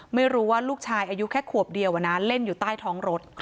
ไม่รู้ว่าลูกชายอายุแค่ขวบเดียวเล่นอยู่ใต้ท้องรถ